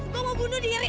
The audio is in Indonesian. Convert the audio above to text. gue mau bunuh diri